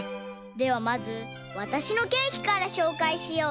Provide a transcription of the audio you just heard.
ではまずわたしのケーキからしょうかいしよう。